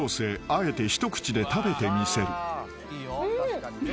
あえて一口で食べてみせる］